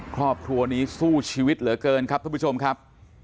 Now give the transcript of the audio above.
ครอบครัวนี้สู้ชีวิตเหลือเกินครับท่านผู้ชมครับ